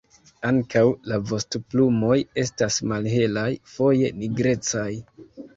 Ankaŭ la vostoplumoj estas malhelaj, foje nigrecaj.